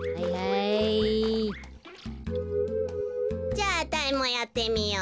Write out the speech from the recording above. じゃああたいもやってみよう。